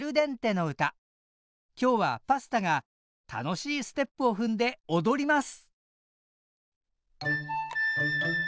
今日はパスタが楽しいステップを踏んで踊ります！